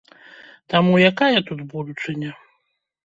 Таму якая тут будучыня?